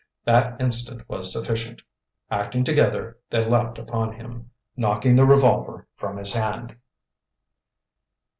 That instant was sufficient. Acting together, they leaped upon him, knocking the revolver from his hand.